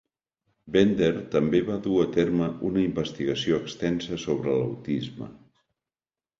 Bender també va dur a terme una investigació extensa sobre l'autisme.